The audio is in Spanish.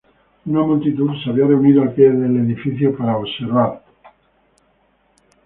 Una multitud se había reunido al pie del edificio para observar la ejecución.